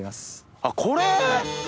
あっこれ？